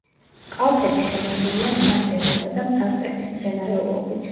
კალთები შემოსილია მთა-მდელოსა და მთა-სტეპის მცენარეულობით.